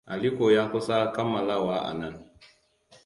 Aliko ya kusa kammalawa a nan.